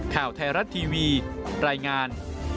ข่าวไทยรัฐทีวีรายงาน